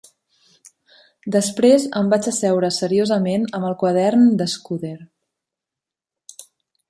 Després, em vaig asseure seriosament amb el quadern de Scudder.